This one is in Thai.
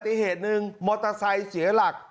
อีกเหตุหนึ่งมอเตอร์ไซค์เสียหลัก